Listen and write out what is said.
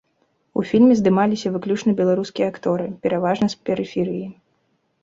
У фільме здымаліся выключна беларускія акторы, пераважна з перыферыі.